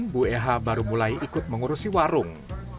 bu eha baru mulai ikut mengurusi warung